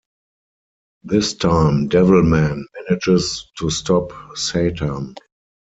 This time Devilman manages to stop Satan.